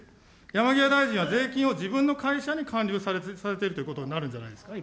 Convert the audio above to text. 山際大臣は税金を自分の会社に還流されているということになるんじゃないですか。